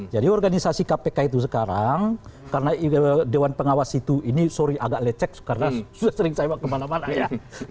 jadi organisasi kpk itu sekarang karena dewan pengawas itu ini sorry agak lecek karena sering saya kemana mana ya